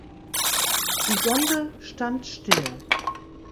Die Gondel stand still.